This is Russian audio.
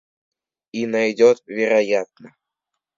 И найдет, вероятно.